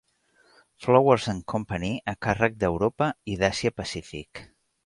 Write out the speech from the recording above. Flowers and Company a càrrec d'Europa i d'Àsia-Pacífic.